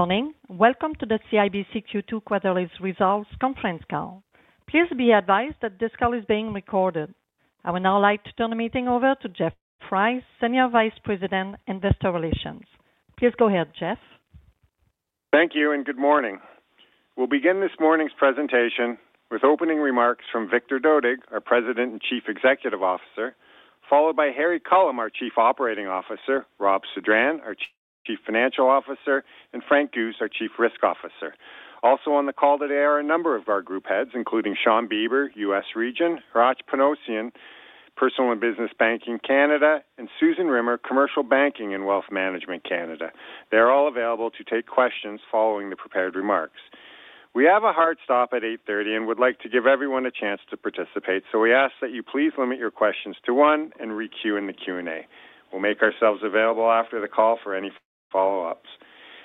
Morning. Welcome to the CIBC Q2 quarterly results conference call. Please be advised that this call is being recorded. I would now like to turn the meeting over to Geoff Weiss, Senior Vice President, Investor Relations. Please go ahead, Geoff. Thank you and good morning. We'll begin this morning's presentation with opening remarks from Victor Dodig, our President and Chief Executive Officer, followed by Harry Culham, our Chief Operating Officer, Rob Sedran, our Chief Financial Officer, and Frank Guse, our Chief Risk Officer. Also on the call today are a number of our group heads, including Shawn Beber, U.S. Region, Hratch Panossian, Personal and Business Banking Canada, and Susan Rimmer, Commercial Banking and Wealth Management Canada. They are all available to take questions following the prepared remarks. We have a hard stop at 8:30 and would like to give everyone a chance to participate, so we ask that you please limit your questions to one and re-queue in the Q&A. We'll make ourselves available after the call for any follow-ups.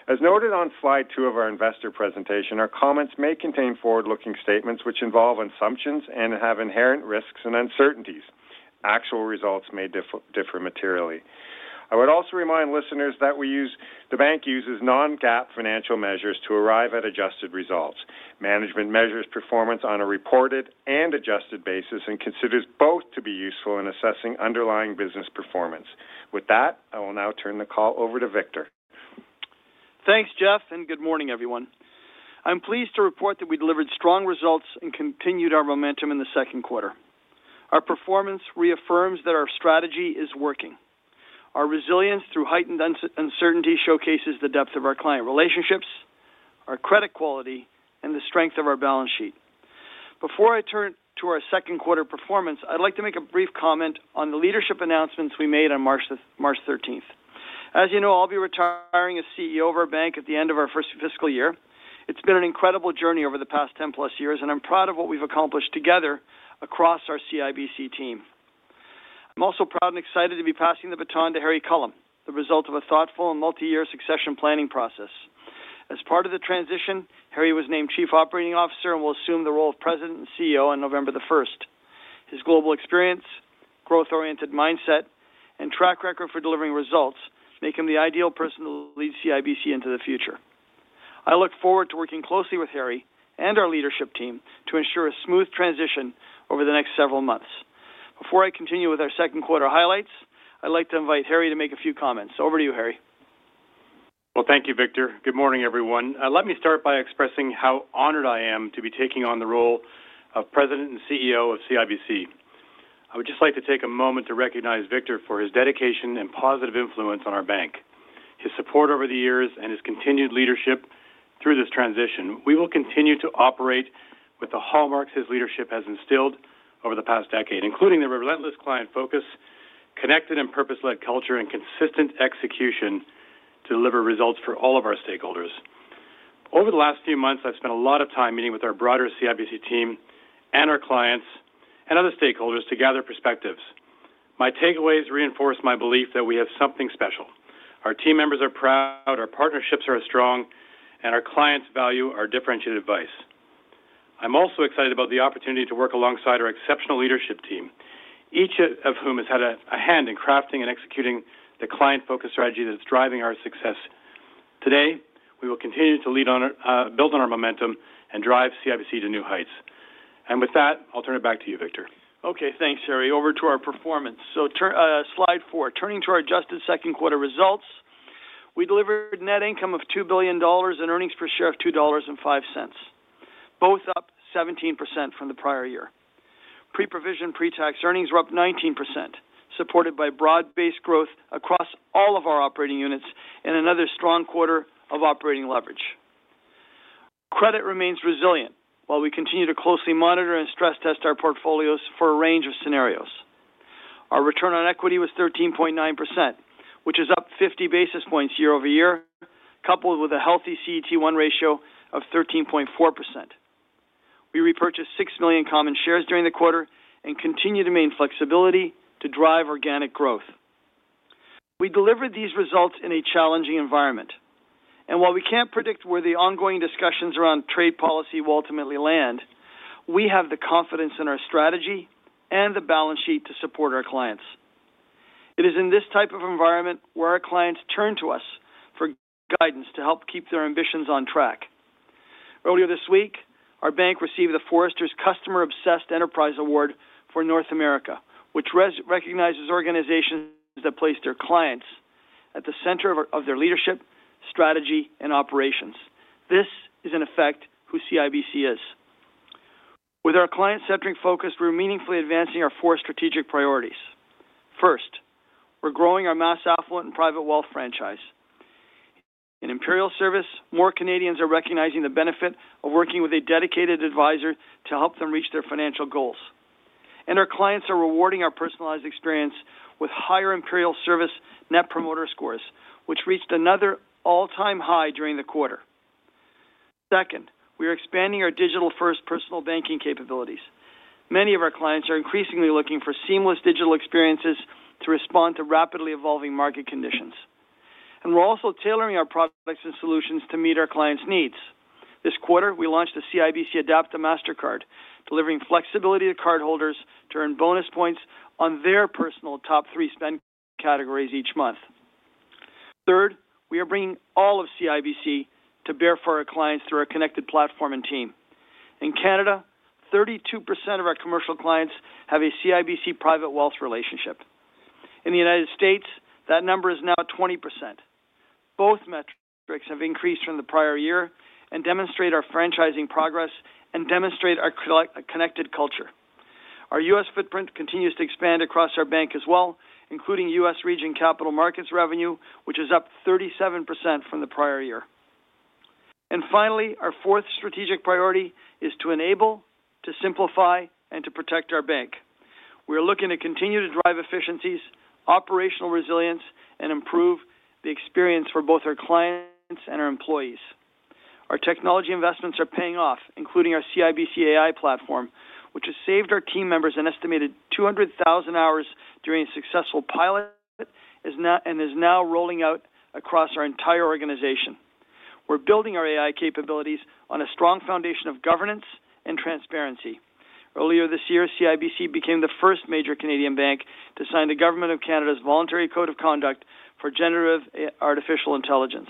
As noted on slide two of our investor presentation, our comments may contain forward-looking statements which involve assumptions and have inherent risks and uncertainties. Actual results may differ materially. I would also remind listeners that the bank uses non-GAAP financial measures to arrive at adjusted results. Management measures performance on a reported and adjusted basis and considers both to be useful in assessing underlying business performance. With that, I will now turn the call over to Victor. Thanks, Geoff, and good morning, everyone. I'm pleased to report that we delivered strong results and continued our momentum in the second quarter. Our performance reaffirms that our strategy is working. Our resilience through heightened uncertainty showcases the depth of our client relationships, our credit quality, and the strength of our balance sheet. Before I turn to our second quarter performance, I'd like to make a brief comment on the leadership announcements we made on March 13th. As you know, I'll be retiring as CEO of our bank at the end of our first fiscal year. It's been an incredible journey over the past 10+ years, and I'm proud of what we've accomplished together across our CIBC team. I'm also proud and excited to be passing the baton to Harry Culham, the result of a thoughtful and multi-year succession planning process. As part of the transition, Harry was named Chief Operating Officer and will assume the role of President and CEO on November the 1st. His global experience, growth-oriented mindset, and track record for delivering results make him the ideal person to lead CIBC into the future. I look forward to working closely with Harry and our leadership team to ensure a smooth transition over the next several months. Before I continue with our second quarter highlights, I'd like to invite Harry to make a few comments. Over to you, Harry. Thank you, Victor. Good morning, everyone. Let me start by expressing how honored I am to be taking on the role of President and CEO of CIBC. I would just like to take a moment to recognize Victor for his dedication and positive influence on our bank, his support over the years, and his continued leadership through this transition. We will continue to operate with the hallmarks his leadership has instilled over the past decade, including the relentless client focus, connected and purpose-led culture, and consistent execution to deliver results for all of our stakeholders. Over the last few months, I've spent a lot of time meeting with our broader CIBC team and our clients and other stakeholders to gather perspectives. My takeaways reinforce my belief that we have something special. Our team members are proud, our partnerships are strong, and our clients value our differentiated advice. I'm also excited about the opportunity to work alongside our exceptional leadership team, each of whom has had a hand in crafting and executing the client-focused strategy that is driving our success. Today, we will continue to build on our momentum and drive CIBC to new heights. I will turn it back to you, Victor. Okay, thanks, Harry. Over to our performance. Slide four, turning to our adjusted second quarter results, we delivered net income of 2 billion dollars and earnings per share of 2.05 dollars, both up 17% from the prior year. Pre-provision pretax earnings were up 19%, supported by broad-based growth across all of our operating units and another strong quarter of operating leverage. Credit remains resilient while we continue to closely monitor and stress-test our portfolios for a range of scenarios. Our return on equity was 13.9%, which is up 50 basis points year over year, coupled with a healthy CET1 ratio of 13.4%. We repurchased 6 million common shares during the quarter and continue to maintain flexibility to drive organic growth. We delivered these results in a challenging environment, and while we can't predict where the ongoing discussions around trade policy will ultimately land, we have the confidence in our strategy and the balance sheet to support our clients. It is in this type of environment where our clients turn to us for guidance to help keep their ambitions on track. Earlier this week, our bank received the Forrester Customer Obsessed Enterprise Award for North America, which recognizes organizations that place their clients at the center of their leadership, strategy, and operations. This is, in effect, who CIBC is. With our client-centric focus, we're meaningfully advancing our four strategic priorities. First, we're growing our mass affluent and private wealth franchise. In Imperial Service, more Canadians are recognizing the benefit of working with a dedicated advisor to help them reach their financial goals. Our clients are rewarding our personalized experience with higher Imperial Service net promoter scores, which reached another all-time high during the quarter. Second, we are expanding our digital-first personal banking capabilities. Many of our clients are increasingly looking for seamless digital experiences to respond to rapidly evolving market conditions. We are also tailoring our products and solutions to meet our clients' needs. This quarter, we launched the CIBC Adapta Mastercard, delivering flexibility to cardholders to earn bonus points on their personal top three spend categories each month. Third, we are bringing all of CIBC to bear for our clients through our connected platform and team. In Canada, 32% of our commercial clients have a CIBC private wealth relationship. In the U.S., that number is now 20%. Both metrics have increased from the prior year and demonstrate our franchising progress and demonstrate our connected culture. Our US footprint continues to expand across our bank as well, including US Region Capital Markets revenue, which is up 37% from the prior year. Finally, our fourth strategic priority is to enable, to simplify, and to protect our bank. We are looking to continue to drive efficiencies, operational resilience, and improve the experience for both our clients and our employees. Our technology investments are paying off, including our CIBC AI platform, which has saved our team members an estimated 200,000 hours during a successful pilot and is now rolling out across our entire organization. We are building our AI capabilities on a strong foundation of governance and transparency. Earlier this year, CIBC became the first major Canadian bank to sign the Government of Canada's Voluntary Code of Conduct for generative artificial intelligence.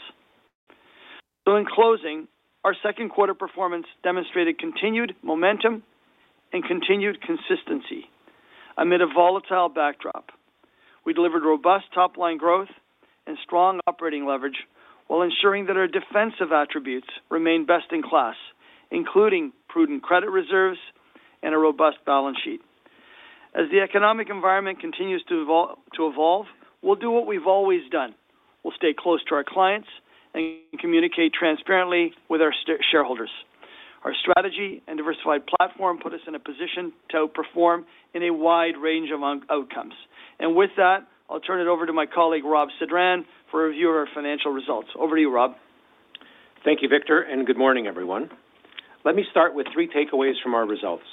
In closing, our second quarter performance demonstrated continued momentum and continued consistency amid a volatile backdrop. We delivered robust top-line growth and strong operating leverage while ensuring that our defensive attributes remain best in class, including prudent credit reserves and a robust balance sheet. As the economic environment continues to evolve, we will do what we have always done. We will stay close to our clients and communicate transparently with our shareholders. Our strategy and diversified platform put us in a position to outperform in a wide range of outcomes. With that, I will turn it over to my colleague, Rob Sedran, for a review of our financial results. Over to you, Rob. Thank you, Victor, and good morning, everyone. Let me start with three takeaways from our results.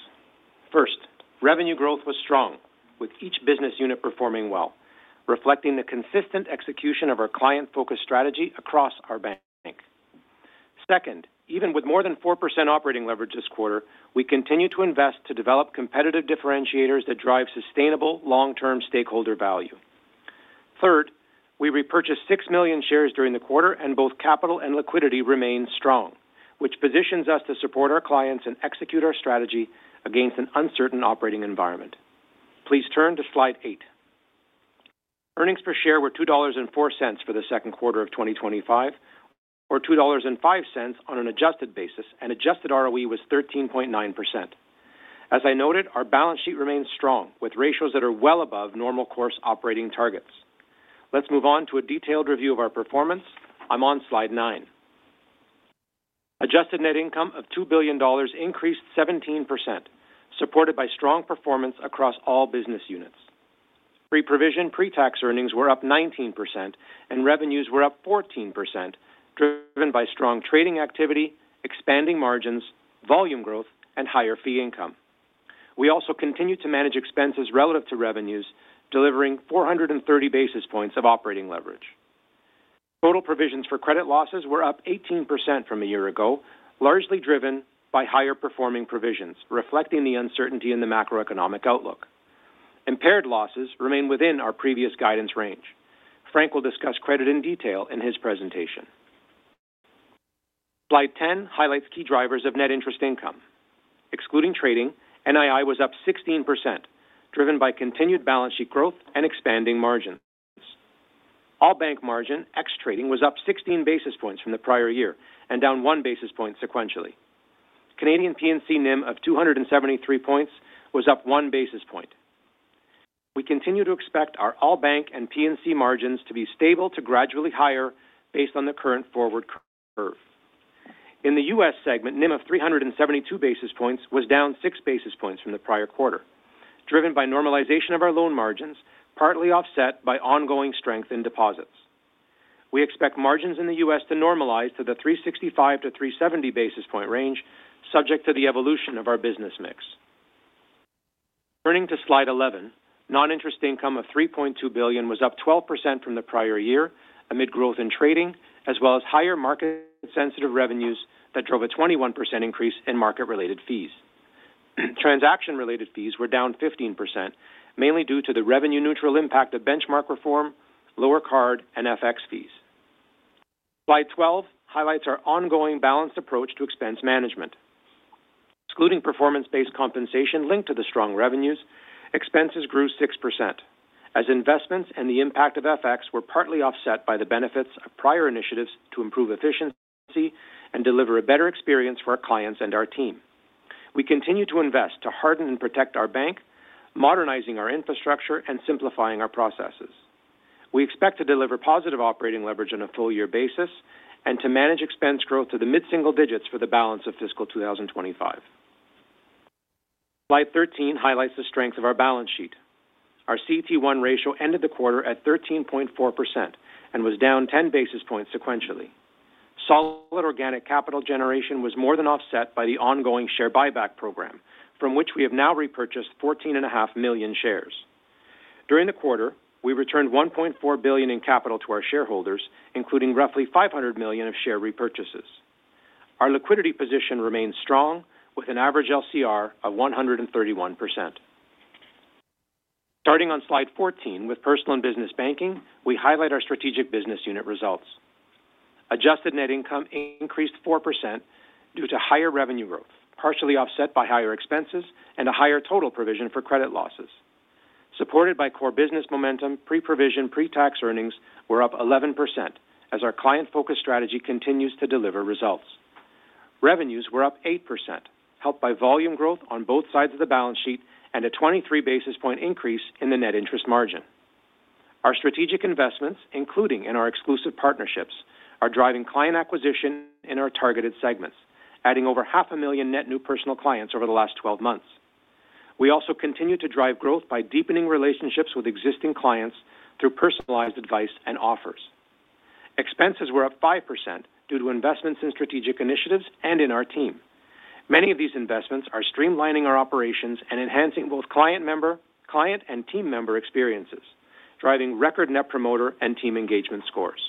First, revenue growth was strong, with each business unit performing well, reflecting the consistent execution of our client-focused strategy across our bank. Second, even with more than 4% operating leverage this quarter, we continue to invest to develop competitive differentiators that drive sustainable long-term stakeholder value. Third, we repurchased 6 million shares during the quarter, and both capital and liquidity remained strong, which positions us to support our clients and execute our strategy against an uncertain operating environment. Please turn to slide eight. Earnings per share were 2.04 dollars for the second quarter of 2025, or 2.05 dollars on an adjusted basis, and adjusted ROE was 13.9%. As I noted, our balance sheet remains strong, with ratios that are well above normal course operating targets. Let's move on to a detailed review of our performance. I'm on slide nine. Adjusted net income of 2 billion dollars increased 17%, supported by strong performance across all business units. Pre-provision pretax earnings were up 19%, and revenues were up 14%, driven by strong trading activity, expanding margins, volume growth, and higher fee income. We also continue to manage expenses relative to revenues, delivering 430 basis points of operating leverage. Total provisions for credit losses were up 18% from a year ago, largely driven by higher performing provisions, reflecting the uncertainty in the macroeconomic outlook. Impaired losses remain within our previous guidance range. Frank will discuss credit in detail in his presentation. Slide 10 highlights key drivers of net interest income. Excluding trading, NII was up 16%, driven by continued balance sheet growth and expanding margins. All bank margin ex-trading was up 16 basis points from the prior year and down 1 basis point sequentially. Canadian P&C NIM of 273 basis points was up 1 basis point. We continue to expect our all bank and P&C margins to be stable to gradually higher based on the current forward curve. In the U.S. segment, NIM of 372 basis points was down 6 basis points from the prior quarter, driven by normalization of our loan margins, partly offset by ongoing strength in deposits. We expect margins in the U.S. to normalize to the 365-370 basis point range, subject to the evolution of our business mix. Turning to slide 11, non-interest income of 3.2 billion was up 12% from the prior year amid growth in trading, as well as higher market-sensitive revenues that drove a 21% increase in market-related fees. Transaction-related fees were down 15%, mainly due to the revenue-neutral impact of benchmark reform, lower card, and FX fees. Slide 12 highlights our ongoing balanced approach to expense management. Excluding performance-based compensation linked to the strong revenues, expenses grew 6%, as investments and the impact of FX were partly offset by the benefits of prior initiatives to improve efficiency and deliver a better experience for our clients and our team. We continue to invest to harden and protect our bank, modernizing our infrastructure and simplifying our processes. We expect to deliver positive operating leverage on a full-year basis and to manage expense growth to the mid-single digits for the balance of fiscal 2025. Slide 13 highlights the strength of our balance sheet. Our CET1 ratio ended the quarter at 13.4% and was down 10 basis points sequentially. Solid organic capital generation was more than offset by the ongoing share buyback program, from which we have now repurchased 14.5 million shares. During the quarter, we returned 1.4 billion in capital to our shareholders, including roughly 500 million of share repurchases. Our liquidity position remains strong, with an average LCR of 131%. Starting on slide 14, with personal and business banking, we highlight our strategic business unit results. Adjusted net income increased 4% due to higher revenue growth, partially offset by higher expenses and a higher total provision for credit losses. Supported by core business momentum, pre-provision pretax earnings were up 11%, as our client-focused strategy continues to deliver results. Revenues were up 8%, helped by volume growth on both sides of the balance sheet and a 23 basis point increase in the net interest margin. Our strategic investments, including in our exclusive partnerships, are driving client acquisition in our targeted segments, adding over 500,000 net new personal clients over the last 12 months. We also continue to drive growth by deepening relationships with existing clients through personalized advice and offers. Expenses were up 5% due to investments in strategic initiatives and in our team. Many of these investments are streamlining our operations and enhancing both client and team member experiences, driving record net promoter and team engagement scores.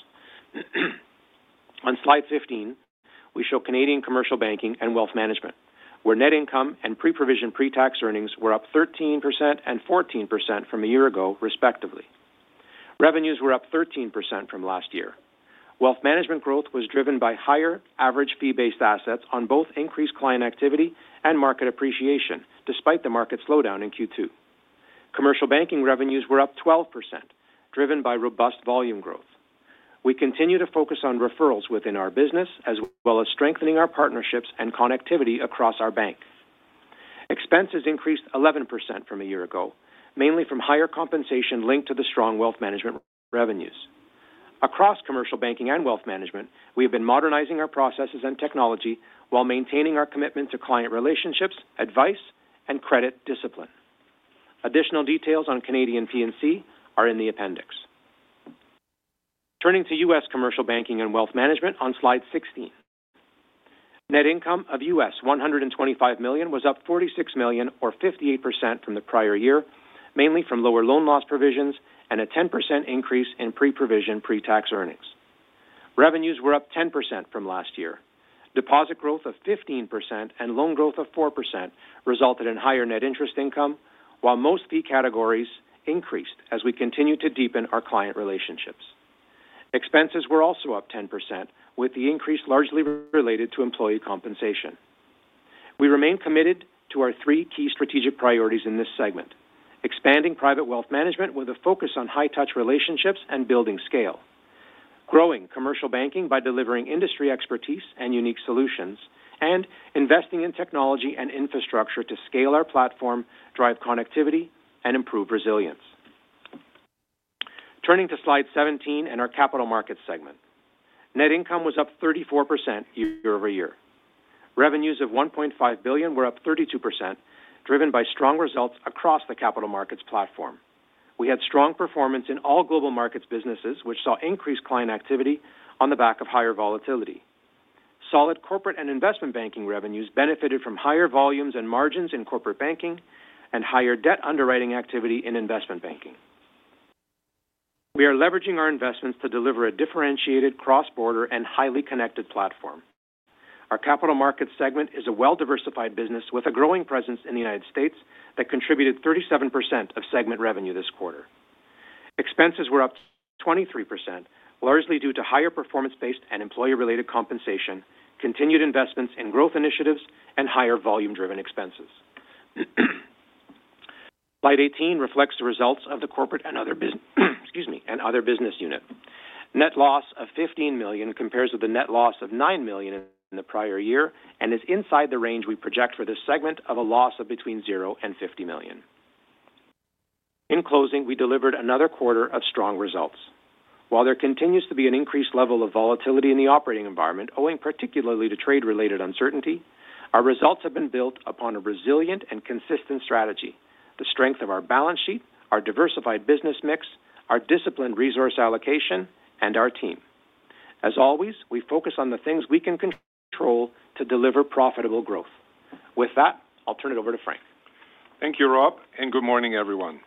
On slide 15, we show Canadian commercial banking and wealth management, where net income and pre-provision pretax earnings were up 13% and 14% from a year ago, respectively. Revenues were up 13% from last year. Wealth management growth was driven by higher average fee-based assets on both increased client activity and market appreciation, despite the market slowdown in Q2. Commercial banking revenues were up 12%, driven by robust volume growth. We continue to focus on referrals within our business, as well as strengthening our partnerships and connectivity across our bank. Expenses increased 11% from a year ago, mainly from higher compensation linked to the strong wealth management revenues. Across commercial banking and wealth management, we have been modernizing our processes and technology while maintaining our commitment to client relationships, advice, and credit discipline. Additional details on Canadian P&C are in the appendix. Turning to U.S. commercial banking and wealth management on slide 16. Net income of $125 million was up $46 million, or 58% from the prior year, mainly from lower loan loss provisions and a 10% increase in pre-provision pretax earnings. Revenues were up 10% from last year. Deposit growth of 15% and loan growth of 4% resulted in higher net interest income, while most fee categories increased as we continue to deepen our client relationships. Expenses were also up 10%, with the increase largely related to employee compensation. We remain committed to our three key strategic priorities in this segment: expanding private wealth management with a focus on high-touch relationships and building scale, growing commercial banking by delivering industry expertise and unique solutions, and investing in technology and infrastructure to scale our platform, drive connectivity, and improve resilience. Turning to slide 17 and our capital markets segment, net income was up 34% year over year. Revenues of 1.5 billion were up 32%, driven by strong results across the capital markets platform. We had strong performance in all global markets businesses, which saw increased client activity on the back of higher volatility. Solid corporate and investment banking revenues benefited from higher volumes and margins in corporate banking and higher debt underwriting activity in investment banking. We are leveraging our investments to deliver a differentiated, cross-border, and highly connected platform. Our capital markets segment is a well-diversified business with a growing presence in the United States that contributed 37% of segment revenue this quarter. Expenses were up 23%, largely due to higher performance-based and employee-related compensation, continued investments in growth initiatives, and higher volume-driven expenses. Slide 18 reflects the results of the corporate and other business unit. Net loss of 15 million compares with the net loss of 9 million in the prior year and is inside the range we project for this segment of a loss of between 0 and 50 million. In closing, we delivered another quarter of strong results. While there continues to be an increased level of volatility in the operating environment, owing particularly to trade-related uncertainty, our results have been built upon a resilient and consistent strategy: the strength of our balance sheet, our diversified business mix, our disciplined resource allocation, and our team. As always, we focus on the things we can control to deliver profitable growth. With that, I'll turn it over to Frank. Thank you, Rob, and good morning, everyone.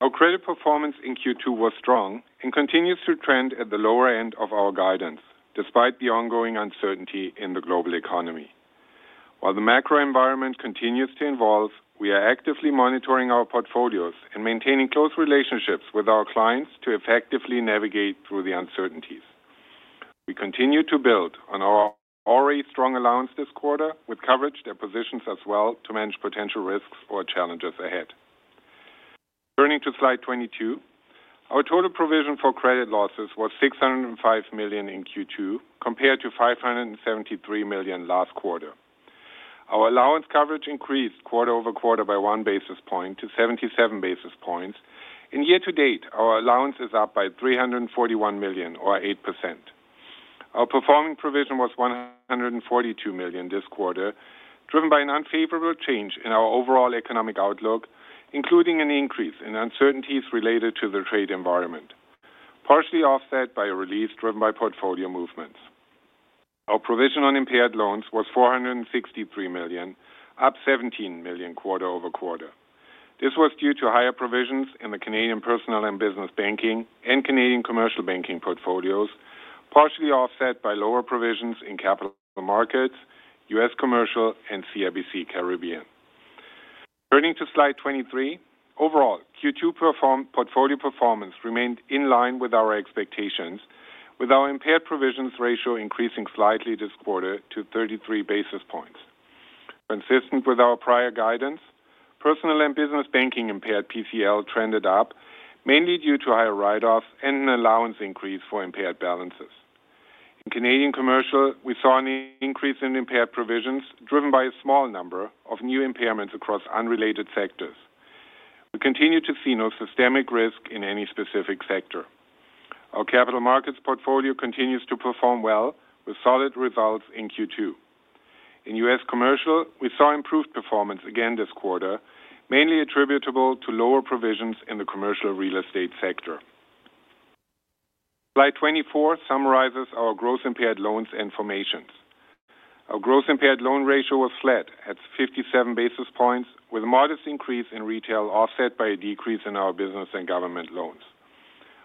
Our credit performance in Q2 was strong and continues to trend at the lower end of our guidance, despite the ongoing uncertainty in the global economy. While the macro environment continues to evolve, we are actively monitoring our portfolios and maintaining close relationships with our clients to effectively navigate through the uncertainties. We continue to build on our already strong allowance this quarter, with coverage that positions us well to manage potential risks or challenges ahead. Turning to slide 22, our total provision for credit losses was 605 million in Q2, compared to 573 million last quarter. Our allowance coverage increased quarter over quarter by one basis point to 77 basis points. In year to date, our allowance is up by 341 million, or 8%. Our performing provision was 142 million this quarter, driven by an unfavorable change in our overall economic outlook, including an increase in uncertainties related to the trade environment, partially offset by a release driven by portfolio movements. Our provision on impaired loans was 463 million, up 17 million quarter over quarter. This was due to higher provisions in the Canadian personal and business banking and Canadian commercial banking portfolios, partially offset by lower provisions in Capital Markets, US commercial, and CIBC Caribbean. Turning to slide 23, overall Q2 portfolio performance remained in line with our expectations, with our impaired provisions ratio increasing slightly this quarter to 33 basis points. Consistent with our prior guidance, personal and business banking impaired PCL trended up, mainly due to higher write-offs and an allowance increase for impaired balances. In Canadian commercial, we saw an increase in impaired provisions, driven by a small number of new impairments across unrelated sectors. We continue to see no systemic risk in any specific sector. Our capital markets portfolio continues to perform well, with solid results in Q2. In U.S. commercial, we saw improved performance again this quarter, mainly attributable to lower provisions in the commercial real estate sector. Slide 24 summarizes our gross impaired loans and formations. Our gross impaired loan ratio was flat at 57 basis points, with a modest increase in retail, offset by a decrease in our business and government loans.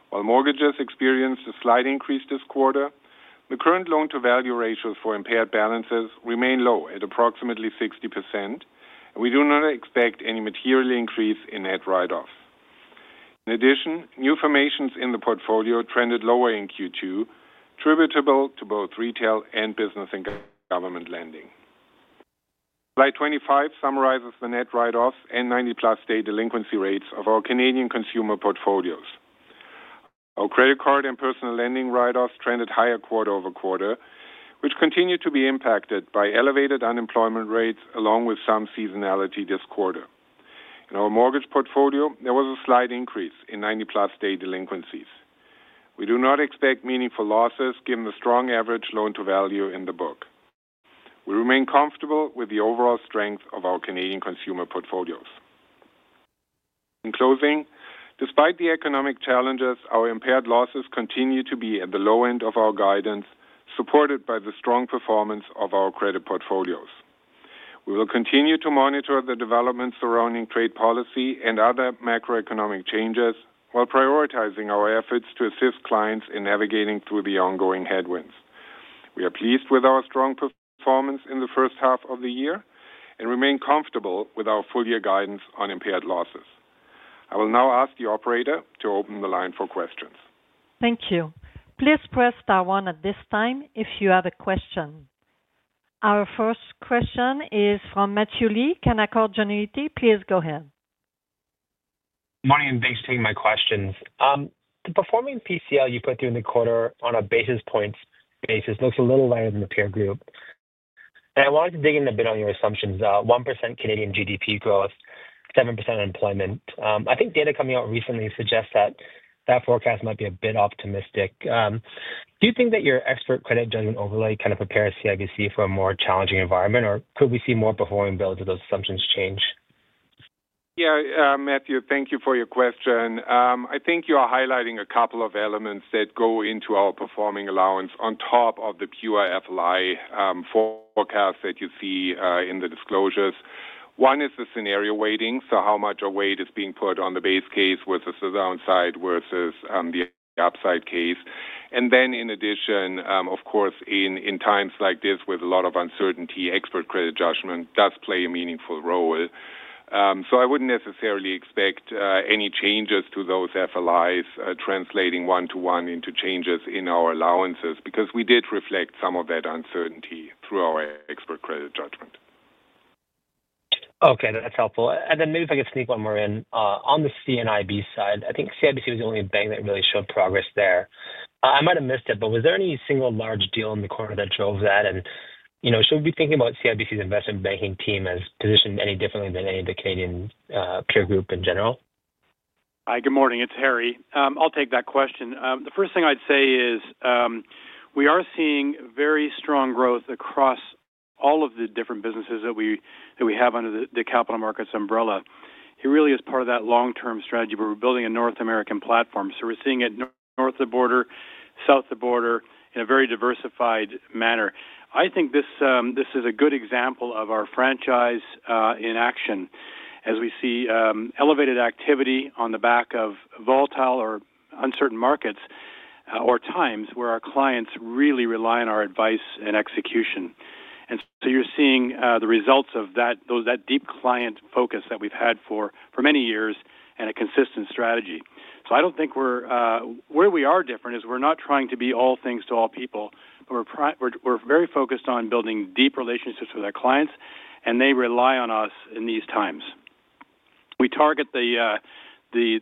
While mortgages experienced a slight increase this quarter, the current loan-to-value ratios for impaired balances remain low at approximately 60%, and we do not expect any material increase in net write-offs. In addition, new formations in the portfolio trended lower in Q2, attributable to both retail and business and government lending. Slide 25 summarizes the net write-offs and 90+ day delinquency rates of our Canadian consumer portfolios. Our credit card and personal lending write-offs trended higher quarter over quarter, which continued to be impacted by elevated unemployment rates, along with some seasonality this quarter. In our mortgage portfolio, there was a slight increase in 90+ day delinquencies. We do not expect meaningful losses, given the strong average loan-to-value in the book. We remain comfortable with the overall strength of our Canadian consumer portfolios. In closing, despite the economic challenges, our impaired losses continue to be at the low end of our guidance, supported by the strong performance of our credit portfolios. We will continue to monitor the developments surrounding trade policy and other macroeconomic changes, while prioritizing our efforts to assist clients in navigating through the ongoing headwinds. We are pleased with our strong performance in the first half of the year and remain comfortable with our full-year guidance on impaired losses. I will now ask the operator to open the line for questions. Thank you. Please press one at this time if you have a question. Our first question is from Matthew Lee Canaccord Genuity? Please go ahead. Good morning. Thanks for taking my questions. The performing PCL you put through in the quarter on a basis points basis looks a little lighter than the peer group. I wanted to dig in a bit on your assumptions: 1% Canadian GDP growth, 7% unemployment. I think data coming out recently suggests that that forecast might be a bit optimistic. Do you think that your expert credit judgment overlay kind of prepares CIBC for a more challenging environment, or could we see more performing builds if those assumptions change? Yeah, Mathew, thank you for your question. I think you are highlighting a couple of elements that go into our performing allowance on top of the PUI FLI forecast that you see in the disclosures. One is the scenario weighting, so how much a weight is being put on the base case versus the downside versus the upside case. In addition, of course, in times like this, with a lot of uncertainty, expert credit judgment does play a meaningful role. I would not necessarily expect any changes to those FLIs, translating one-to-one into changes in our allowances, because we did reflect some of that uncertainty through our expert credit judgment. Okay, that's helpful. Maybe if I could sneak one more in. On the CIBC side, I think CIBC was the only bank that really showed progress there. I might have missed it, but was there any single large deal in the quarter that drove that? Should we be thinking about CIBC's investment banking team as positioned any differently than any of the Canadian peer group in general? Hi, good morning. It's Harry. I'll take that question. The first thing I'd say is we are seeing very strong growth across all of the different businesses that we have under the capital markets umbrella. It really is part of that long-term strategy, where we're building a North American platform. We are seeing it north of the border, south of the border, in a very diversified manner. I think this is a good example of our franchise in action, as we see elevated activity on the back of volatile or uncertain markets or times where our clients really rely on our advice and execution. You are seeing the results of that deep client focus that we've had for many years and a consistent strategy. I do not think where we are different is we are not trying to be all things to all people, but we are very focused on building deep relationships with our clients, and they rely on us in these times. We target the 7%-10%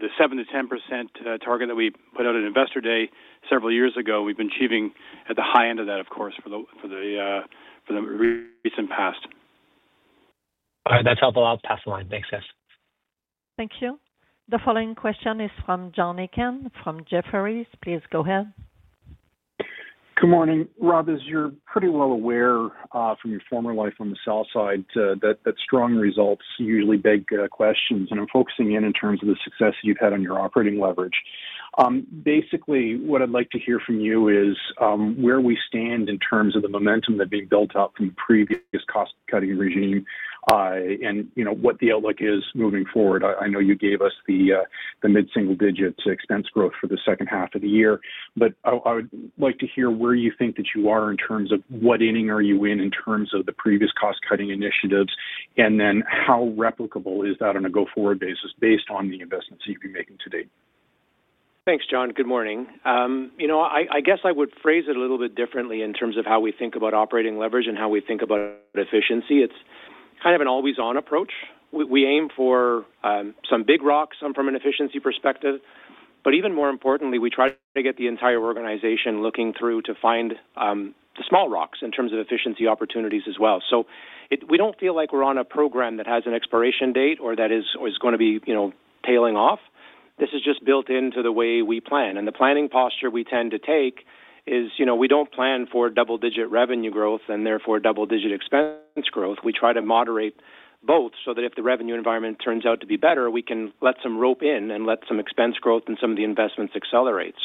target that we put out at Investor Day several years ago. We have been achieving at the high end of that, of course, for the recent past. All right, that's helpful. I'll pass the line. Thanks, guys. Thank you. The following question is from John Aken from Jefferies. Please go ahead. Good morning. Rob, as you're pretty well aware from your former life on the south side, that strong results usually beg questions. I'm focusing in in terms of the success that you've had on your operating leverage. Basically, what I'd like to hear from you is where we stand in terms of the momentum that had been built up from the previous cost-cutting regime and what the outlook is moving forward. I know you gave us the mid-single-digit expense growth for the second half of the year, but I would like to hear where you think that you are in terms of what inning are you in in terms of the previous cost-cutting initiatives, and then how replicable is that on a go-forward basis based on the investments that you've been making to date? Thanks, John. Good morning. You know, I guess I would phrase it a little bit differently in terms of how we think about operating leverage and how we think about efficiency. It's kind of an always-on approach. We aim for some big rocks from an efficiency perspective, but even more importantly, we try to get the entire organization looking through to find the small rocks in terms of efficiency opportunities as well. We don't feel like we're on a program that has an expiration date or that is going to be tailing off. This is just built into the way we plan. The planning posture we tend to take is we don't plan for double-digit revenue growth and therefore double-digit expense growth. We try to moderate both so that if the revenue environment turns out to be better, we can let some rope in and let some expense growth and some of the investments accelerate.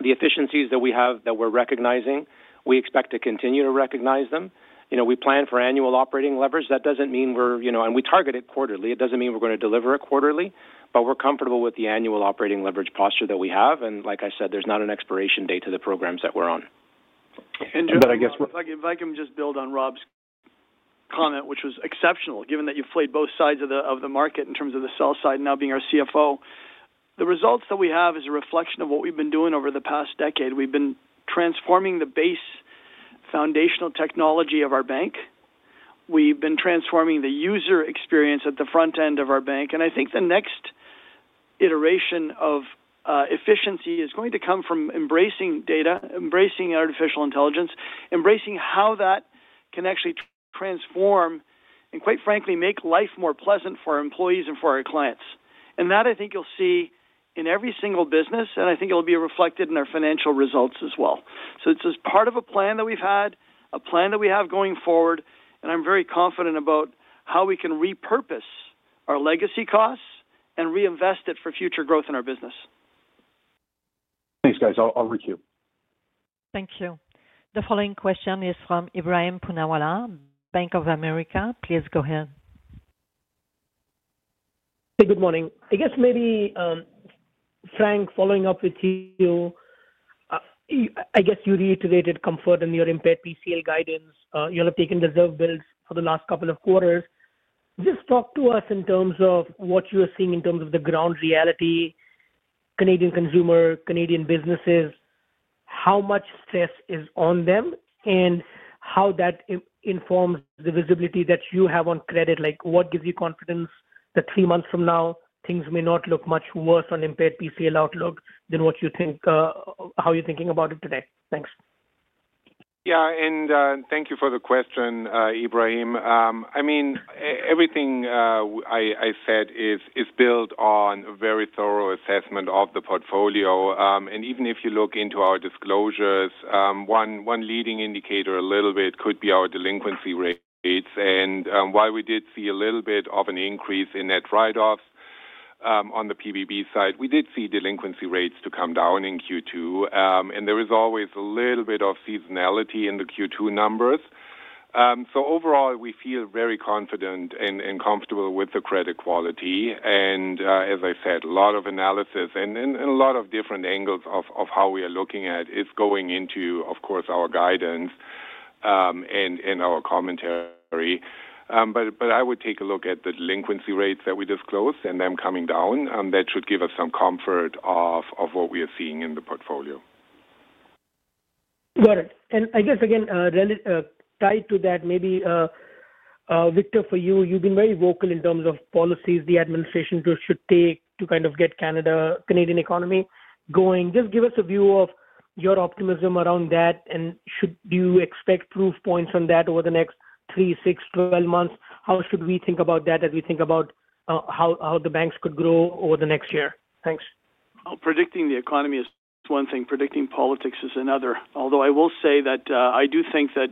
The efficiencies that we have that we're recognizing, we expect to continue to recognize them. We plan for annual operating leverage. That does not mean we're—and we target it quarterly. It does not mean we're going to deliver it quarterly, but we're comfortable with the annual operating leverage posture that we have. Like I said, there's not an expiration date to the programs that we're on. John, if I can just build on Rob's comment, which was exceptional, given that you've played both sides of the market in terms of the south side now being our CFO, the results that we have is a reflection of what we've been doing over the past decade. We've been transforming the base foundational technology of our bank. We've been transforming the user experience at the front end of our bank. I think the next iteration of efficiency is going to come from embracing data, embracing artificial intelligence, embracing how that can actually transform and, quite frankly, make life more pleasant for our employees and for our clients. That, I think, you'll see in every single business, and I think it'll be reflected in our financial results as well. It's just part of a plan that we've had, a plan that we have going forward, and I'm very confident about how we can repurpose our legacy costs and reinvest it for future growth in our business. Thanks, guys. I'll reach you. Thank you. The following question is from Ebrahim Poonawala, Bank of America. Please go ahead. Hey, good morning. I guess maybe, Frank, following up with you, I guess you reiterated comfort in your impaired PCL guidance. You have taken the reserve builds for the last couple of quarters. Just talk to us in terms of what you are seeing in terms of the ground reality, Canadian consumer, Canadian businesses, how much stress is on them, and how that informs the visibility that you have on credit. What gives you confidence that three months from now, things may not look much worse on impaired PCL outlook than what you think, how you are thinking about it today? Thanks. Yeah, and thank you for the question, Ebrahim. I mean, everything I said is built on a very thorough assessment of the portfolio. Even if you look into our disclosures, one leading indicator a little bit could be our delinquency rates. While we did see a little bit of an increase in net write-offs on the PBB side, we did see delinquency rates come down in Q2. There is always a little bit of seasonality in the Q2 numbers. Overall, we feel very confident and comfortable with the credit quality. As I said, a lot of analysis and a lot of different angles of how we are looking at it is going into, of course, our guidance and our commentary. I would take a look at the delinquency rates that we disclosed and them coming down. That should give us some comfort of what we are seeing in the portfolio. Got it. I guess, again, tied to that, maybe, Victor, for you, you've been very vocal in terms of policies the administration should take to kind of get Canada's Canadian economy going. Just give us a view of your optimism around that, and should you expect proof points on that over the next 3, 6, 12 months? How should we think about that as we think about how the banks could grow over the next year? Thanks. Predicting the economy is one thing. Predicting politics is another. Although I will say that I do think that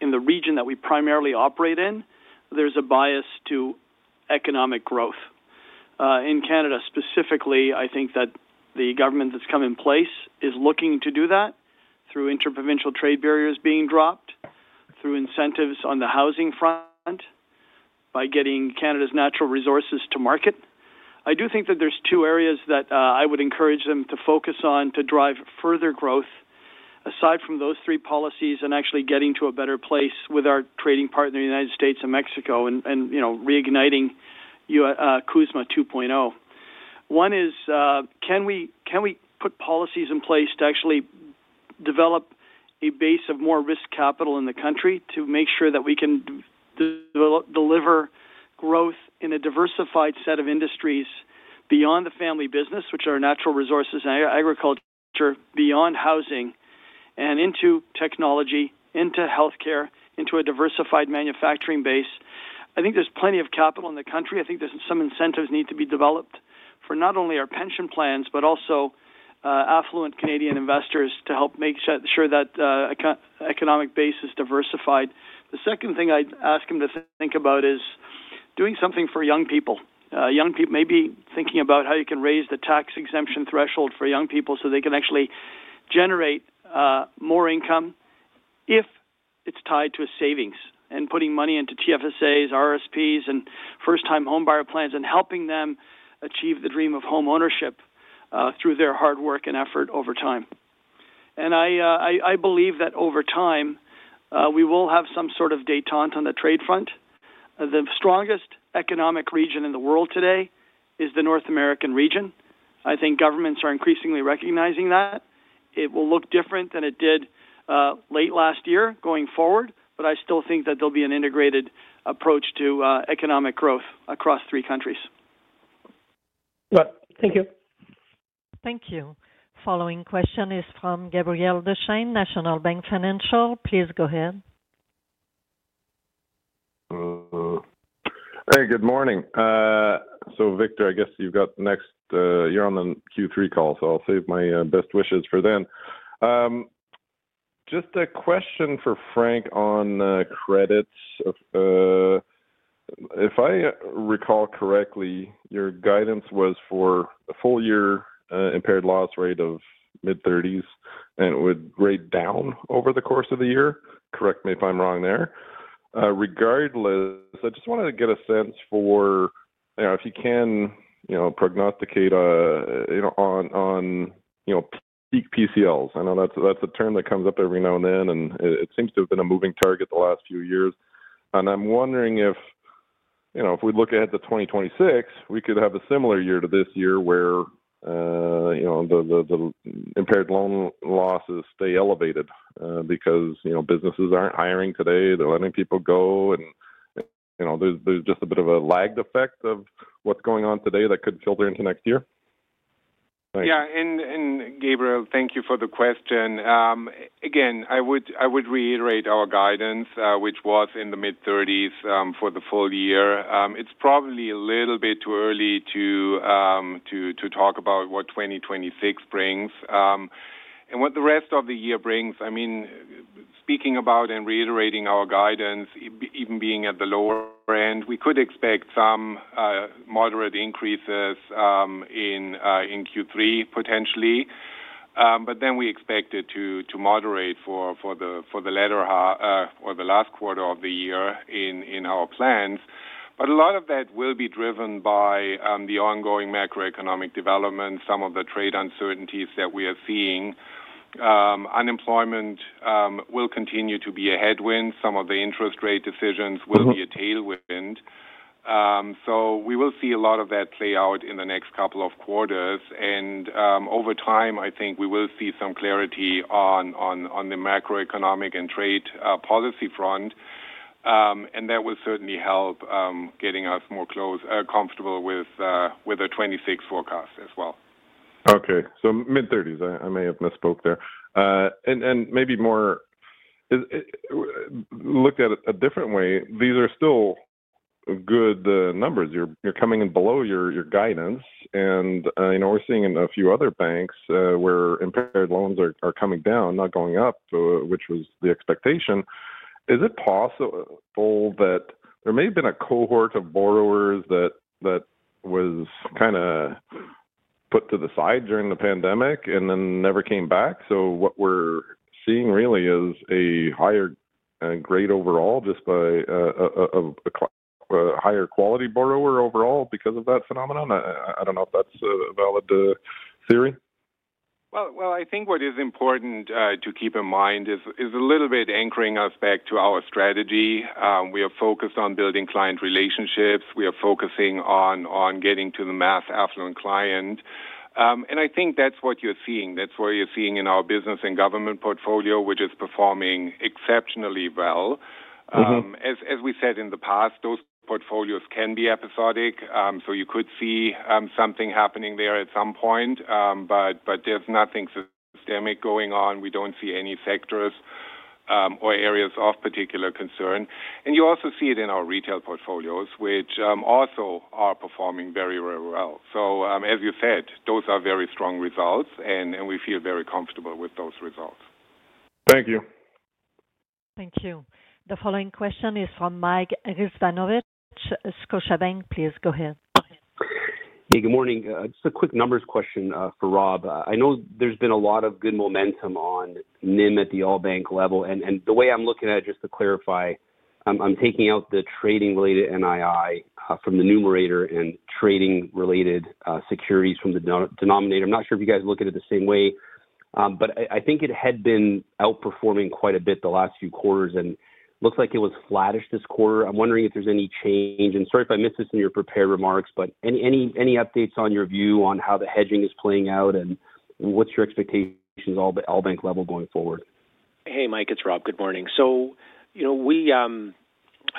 in the region that we primarily operate in, there is a bias to economic growth. In Canada specifically, I think that the government that has come in place is looking to do that through interprovincial trade barriers being dropped, through incentives on the housing front, by getting Canada's natural resources to market. I do think that there are two areas that I would encourage them to focus on to drive further growth, aside from those three policies, and actually getting to a better place with our trading partner, the United States and Mexico, and reigniting CUSMA 2.0. One is, can we put policies in place to actually develop a base of more risk capital in the country to make sure that we can deliver growth in a diversified set of industries beyond the family business, which are natural resources and agriculture, beyond housing, and into technology, into healthcare, into a diversified manufacturing base? I think there is plenty of capital in the country. I think some incentives need to be developed for not only our pension plans, but also affluent Canadian investors to help make sure that economic base is diversified. The second thing I would ask them to think about is doing something for young people. Young people may be thinking about how you can raise the tax exemption threshold for young people so they can actually generate more income if it's tied to savings and putting money into TFSAs, RRSPs, and first-time home buyer plans and helping them achieve the dream of homeownership through their hard work and effort over time. I believe that over time, we will have some sort of detente on the trade front. The strongest economic region in the world today is the North American region. I think governments are increasingly recognizing that. It will look different than it did late last year going forward, but I still think that there'll be an integrated approach to economic growth across three countries. Thank you. Thank you. The following question is from Gabriel Dechaine, National Bank Financial. Please go ahead. Hey, good morning. Victor, I guess you've got the next, you're on the Q3 call, so I'll save my best wishes for then. Just a question for Frank on credits. If I recall correctly, your guidance was for a full-year impaired loss rate of mid-30s and it would rate down over the course of the year. Correct me if I'm wrong there. Regardless, I just wanted to get a sense for if you can prognosticate on peak PCLs. I know that's a term that comes up every now and then, and it seems to have been a moving target the last few years. I'm wondering if we look ahead to 2026, we could have a similar year to this year where the impaired loan losses stay elevated because businesses aren't hiring today. They're letting people go. There is just a bit of a lagged effect of what is going on today that could filter into next year. Yeah. Gabriel, thank you for the question. Again, I would reiterate our guidance, which was in the mid-30s for the full year. It's probably a little bit too early to talk about what 2026 brings. What the rest of the year brings, I mean, speaking about and reiterating our guidance, even being at the lower end, we could expect some moderate increases in Q3 potentially. We expect it to moderate for the latter half or the last quarter of the year in our plans. A lot of that will be driven by the ongoing macroeconomic development, some of the trade uncertainties that we are seeing. Unemployment will continue to be a headwind. Some of the interest rate decisions will be a tailwind. We will see a lot of that play out in the next couple of quarters. Over time, I think we will see some clarity on the macroeconomic and trade policy front. That will certainly help getting us more comfortable with a 2026 forecast as well. Okay. Mid-30s. I may have misspoke there. Maybe more looked at a different way, these are still good numbers. You're coming in below your guidance. We're seeing in a few other banks where impaired loans are coming down, not going up, which was the expectation. Is it possible that there may have been a cohort of borrowers that was kind of put to the side during the pandemic and then never came back? What we're seeing really is a higher grade overall just by a higher quality borrower overall because of that phenomenon. I don't know if that's a valid theory. I think what is important to keep in mind is a little bit anchoring us back to our strategy. We are focused on building client relationships. We are focusing on getting to the mass affluent client. I think that's what you're seeing. That's what you're seeing in our business and government portfolio, which is performing exceptionally well. As we said in the past, those portfolios can be episodic. You could see something happening there at some point, but there's nothing systemic going on. We do not see any sectors or areas of particular concern. You also see it in our retail portfolios, which also are performing very, very well. As you said, those are very strong results, and we feel very comfortable with those results. Thank you. Thank you. The following question is from Mike Rizvanovic, Scotiabank. Please go ahead. Hey, good morning. Just a quick numbers question for Rob. I know there's been a lot of good momentum on NIM at the all-bank level. The way I'm looking at it, just to clarify, I'm taking out the trading-related NII from the numerator and trading-related securities from the denominator. I'm not sure if you guys look at it the same way, but I think it had been outperforming quite a bit the last few quarters, and it looks like it was flattish this quarter. I'm wondering if there's any change. Sorry if I missed this in your prepared remarks, but any updates on your view on how the hedging is playing out, and what's your expectations all-bank level going forward? Hey, Mike, it's Rob. Good morning.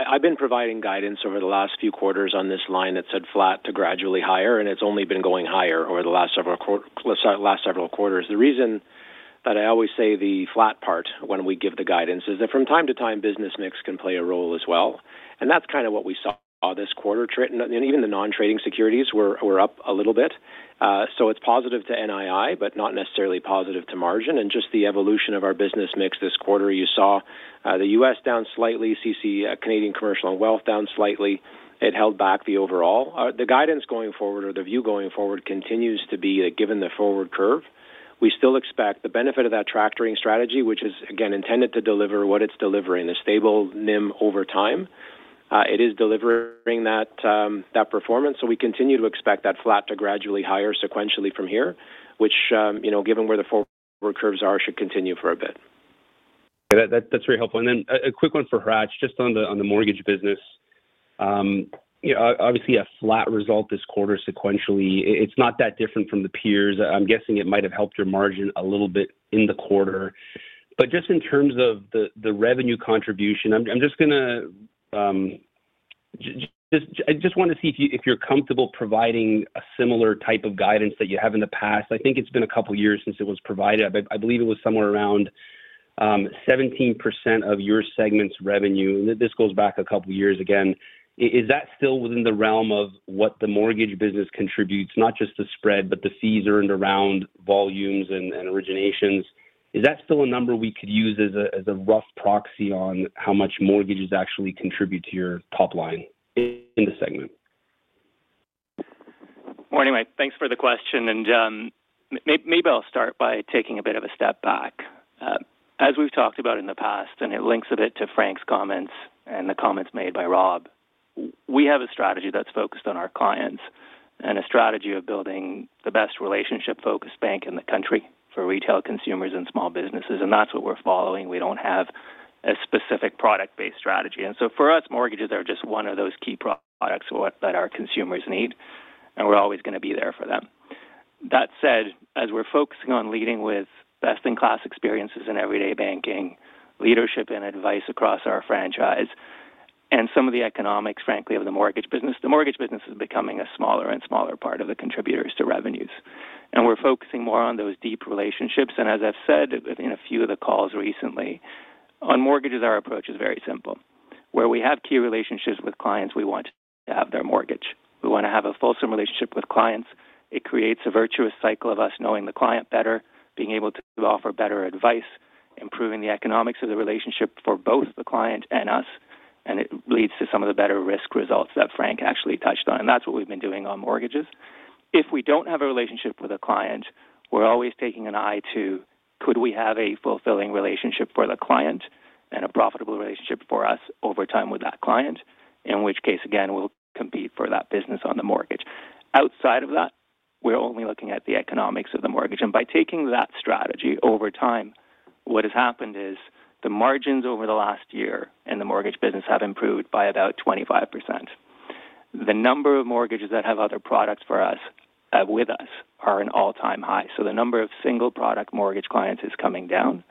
I have been providing guidance over the last few quarters on this line that said flat to gradually higher, and it has only been going higher over the last several quarters. The reason that I always say the flat part when we give the guidance is that from time to time, business mix can play a role as well. That is kind of what we saw this quarter. Even the non-trading securities were up a little bit. It is positive to NII, but not necessarily positive to margin. Just the evolution of our business mix this quarter, you saw the U.S. down slightly, Canadian Commercial and Wealth down slightly. It held back the overall. The guidance going forward or the view going forward continues to be that given the forward curve, we still expect the benefit of that tractoring strategy, which is, again, intended to deliver what it's delivering, the stable NIM over time. It is delivering that performance. We continue to expect that flat to gradually higher sequentially from here, which, given where the forward curves are, should continue for a bit. That's very helpful. Then a quick one for Hratch, just on the mortgage business. Obviously, a flat result this quarter sequentially, it's not that different from the peers. I'm guessing it might have helped your margin a little bit in the quarter. Just in terms of the revenue contribution, I just want to see if you're comfortable providing a similar type of guidance that you have in the past. I think it's been a couple of years since it was provided. I believe it was somewhere around 17% of your segment's revenue. This goes back a couple of years again. Is that still within the realm of what the mortgage business contributes, not just the spread, but the fees earned around volumes and originations? Is that still a number we could use as a rough proxy on how much mortgages actually contribute to your top line in the segment? Thank you for the question. Maybe I'll start by taking a bit of a step back. As we've talked about in the past, and it links a bit to Frank's comments and the comments made by Rob, we have a strategy that's focused on our clients and a strategy of building the best relationship-focused bank in the country for retail consumers and small businesses. That's what we're following. We don't have a specific product-based strategy. For us, mortgages are just one of those key products that our consumers need, and we're always going to be there for them. That said, as we're focusing on leading with best-in-class experiences in everyday banking, leadership, and advice across our franchise, and some of the economics, frankly, of the mortgage business, the mortgage business is becoming a smaller and smaller part of the contributors to revenues. We're focusing more on those deep relationships. As I've said in a few of the calls recently, on mortgages, our approach is very simple. Where we have key relationships with clients, we want to have their mortgage. We want to have a fulsome relationship with clients. It creates a virtuous cycle of us knowing the client better, being able to offer better advice, improving the economics of the relationship for both the client and us. It leads to some of the better risk results that Frank actually touched on. That's what we've been doing on mortgages. If we don't have a relationship with a client, we're always taking an eye to could we have a fulfilling relationship for the client and a profitable relationship for us over time with that client, in which case, again, we'll compete for that business on the mortgage. Outside of that, we're only looking at the economics of the mortgage. By taking that strategy over time, what has happened is the margins over the last year in the mortgage business have improved by about 25%. The number of mortgages that have other products with us are at an all-time high. The number of single-product mortgage clients is coming down.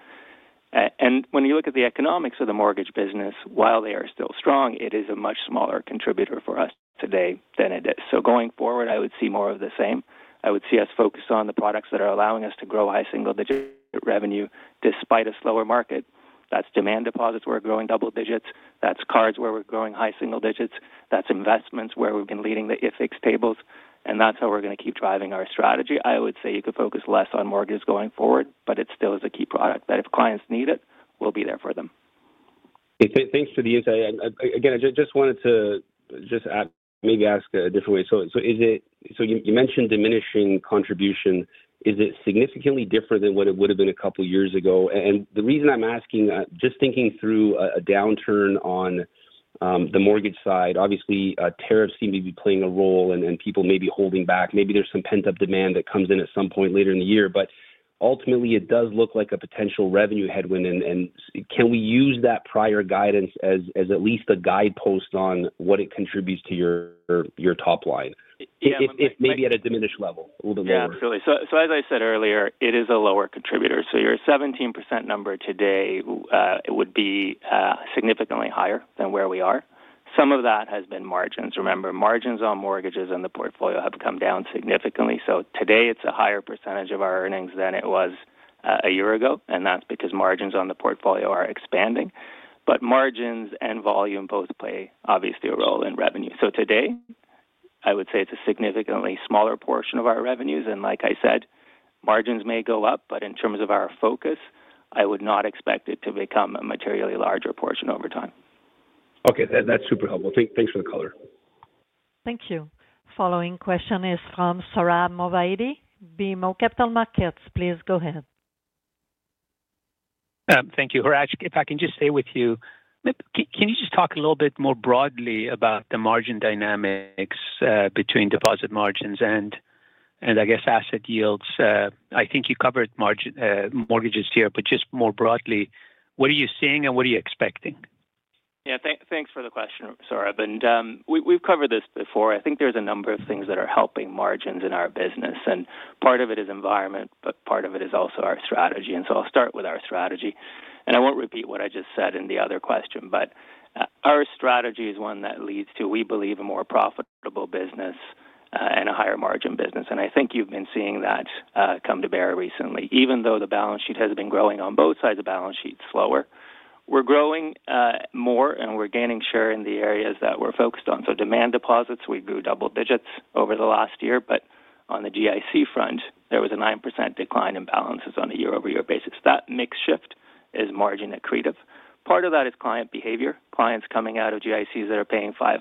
When you look at the economics of the mortgage business, while they are still strong, it is a much smaller contributor for us today than it is. Going forward, I would see more of the same. I would see us focused on the products that are allowing us to grow high single-digit revenue despite a slower market. That is demand deposits where we're growing double digits. That is cards where we're growing high single digits. That is investments where we've been leading the IFIX tables. That is how we're going to keep driving our strategy. I would say you could focus less on mortgages going forward, but it still is a key product that if clients need it, we'll be there for them. Thanks for the insight. Again, I just wanted to maybe ask a different way. You mentioned diminishing contribution. Is it significantly different than what it would have been a couple of years ago? The reason I'm asking, just thinking through a downturn on the mortgage side, obviously, tariffs seem to be playing a role and people may be holding back. Maybe there's some pent-up demand that comes in at some point later in the year. Ultimately, it does look like a potential revenue headwind. Can we use that prior guidance as at least a guidepost on what it contributes to your top line? Maybe at a diminished level, a little bit lower. Yeah, absolutely. As I said earlier, it is a lower contributor. Your 17% number today would be significantly higher than where we are. Some of that has been margins. Remember, margins on mortgages in the portfolio have come down significantly. Today, it is a higher percentage of our earnings than it was a year ago. That is because margins on the portfolio are expanding. Margins and volume both play obviously a role in revenue. Today, I would say it is a significantly smaller portion of our revenues. Like I said, margins may go up, but in terms of our focus, I would not expect it to become a materially larger portion over time. Okay. That's super helpful. Thanks for the color. Thank you. Following question is from Sohrab Movahedi. BMO Capital Markets, please go ahead. Thank you, Hratch. If I can just stay with you, can you just talk a little bit more broadly about the margin dynamics between deposit margins and, I guess, asset yields? I think you covered mortgages here, but just more broadly, what are you seeing and what are you expecting? Yeah. Thanks for the question, Sohrab. We have covered this before. I think there are a number of things that are helping margins in our business. Part of it is environment, but part of it is also our strategy. I will start with our strategy. I will not repeat what I just said in the other question, but our strategy is one that leads to, we believe, a more profitable business and a higher margin business. I think you have been seeing that come to bear recently. Even though the balance sheet has been growing on both sides, the balance sheet is slower. We are growing more, and we are gaining share in the areas that we are focused on. Demand deposits, we grew double digits over the last year. On the GIC front, there was a 9% decline in balances on a year-over-year basis. That mix shift is margin accretive. Part of that is client behavior. Clients coming out of GICs that are paying 5%+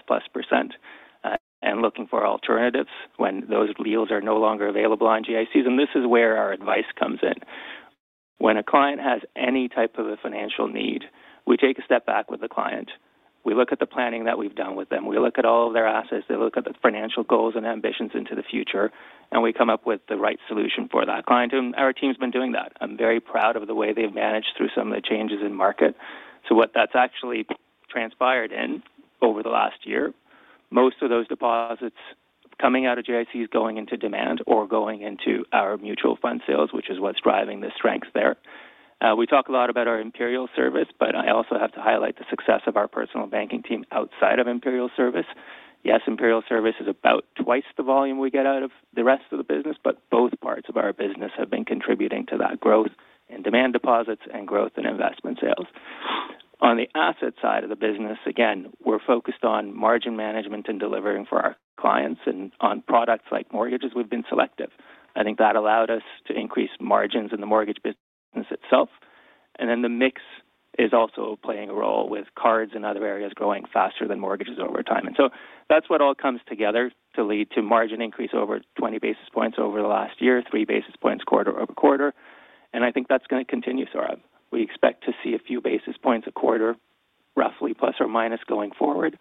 and looking for alternatives when those deals are no longer available on GICs. This is where our advice comes in. When a client has any type of a financial need, we take a step back with the client. We look at the planning that we have done with them. We look at all of their assets. They look at the financial goals and ambitions into the future, and we come up with the right solution for that client. Our team's been doing that. I'm very proud of the way they have managed through some of the changes in market. What that has actually transpired in over the last year, most of those deposits coming out of GICs going into demand or going into our mutual fund sales, which is what is driving the strength there. We talk a lot about our Imperial Service, but I also have to highlight the success of our personal banking team outside of Imperial Service. Yes, Imperial Service is about twice the volume we get out of the rest of the business, but both parts of our business have been contributing to that growth in demand deposits and growth in investment sales. On the asset side of the business, again, we're focused on margin management and delivering for our clients and on products like mortgages. We've been selective. I think that allowed us to increase margins in the mortgage business itself. The mix is also playing a role with cards and other areas growing faster than mortgages over time. That is what all comes together to lead to margin increase over 20 basis points over the last year, three basis points quarter over quarter. I think that's going to continue, Sohrab. We expect to see a few basis points a quarter, roughly plus or minus going forward.